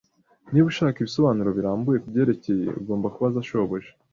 Niba ushaka ibisobanuro birambuye kubyerekeye, ugomba kubaza shobuja